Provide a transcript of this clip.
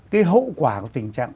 cái hậu quả của tình trạng